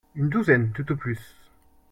Une douzaine tout au plus